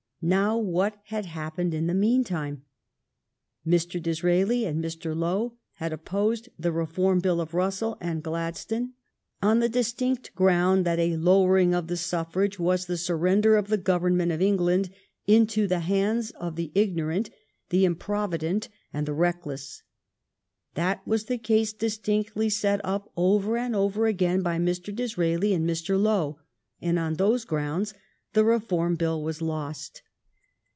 Now, what had happened in the meantime ? Mr. Disraeli and Mr. Lowe had opposed the Reform Bill of Russell and Gladstone on the distinct 26o THE STORY OF GLADSTONE\S LIFE ground that a lowering of the suffrage was the sur render of the Government of England into the hands of the ignorant, the improvident, and the reckless. That was the case distinctly set up over and over again by Mr. Disraeli and Mr. Lowe, and on those grounds the Reform Bill was lost.